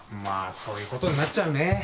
まあそういうことになっちゃうね。